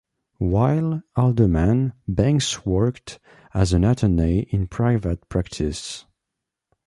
While alderman, Banks worked as an attorney in private practice.